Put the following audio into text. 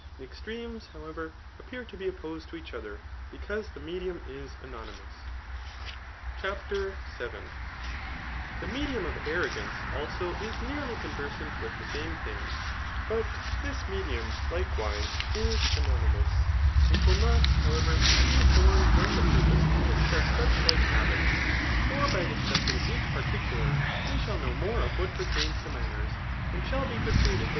The extremes, however, appear to be exposed to each other, because the medium is anonymous. CHAPTER VII. Thb medium of arrogance, also, is nearly conversant with the same things ; but this medium, likewise, is ano nymous. It will not, however, be foragn from <he purpose to discuss such Hke habits ; for by discussftig Digitized by Google 'GHAF.TU. ETHICS. \^ each piiiiicular #e shall know more af^v^ per^uas tft jnaancrsy and shall be pewiaded ^s^t.